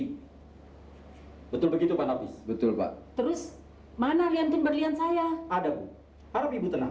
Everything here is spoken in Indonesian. hai betul begitu pak nafis betul pak terus mana leontin berlian saya ada harap ibu tenang